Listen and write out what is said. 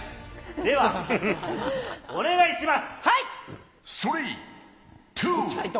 では、お願いします。